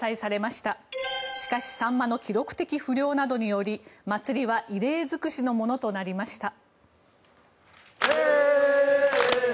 しかしサンマの記録的不漁などにより祭りは異例尽くしのものとなりました。